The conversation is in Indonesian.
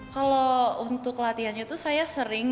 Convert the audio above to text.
kalau untuk latihannya itu saya sering